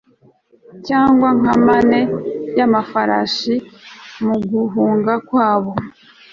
Cyangwa nka mane yamafarashi muguhunga kwabo